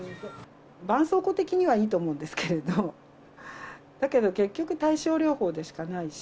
ばんそうこう的にはいいと思うんですけれども、だけど結局、対症療法でしかないし。